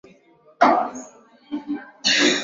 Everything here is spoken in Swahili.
Kati yao alichagua Mitume wake kumi na mbili